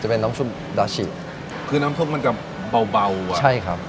เป็นน้ำซุปดาชิคือน้ำซุปมันจะเบาเบาอ่ะใช่ครับ